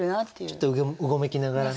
ちょっとうごめきながらね。